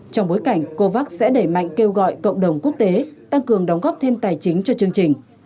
trong bối cảnh covax sẽ đẩy mạnh kêu gọi cộng đồng quốc tế tăng cường đóng góp thêm tài chính cho chương trình